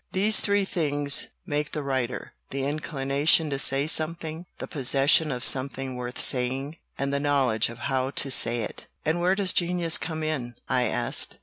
These three things make the writer the inclination to say something, the possession of something worth saying, and the knowledge of how to say it." "And where does genius come in?" I asked.